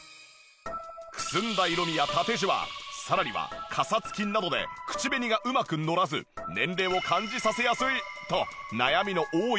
くすんだ色味や縦ジワさらにはかさつきなどで口紅がうまくのらず年齢を感じさせやすいと悩みの多い唇。